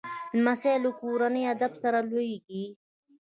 لمسی له کورني ادب سره لویېږي